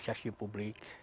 pemilihan presisi publik